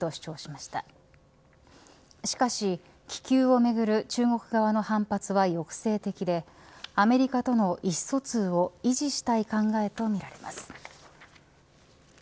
しかし、気球をめぐる中国側の反発は抑制的でアメリカとの意思疎通を維持したい考えとみられます。